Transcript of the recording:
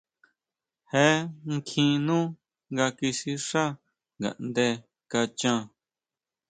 Jé kjín nú nga kisixá ngaʼnde kachan.